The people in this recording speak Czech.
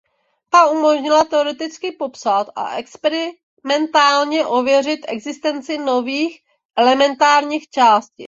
Ta umožnila teoreticky popsat a experimentálně ověřit existenci nových elementárních částic.